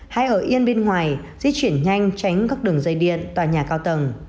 hay ở yên bên ngoài di chuyển nhanh tránh các đường dây điện tòa nhà cao tầng